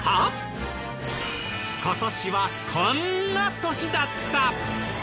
今年はこんな年だった！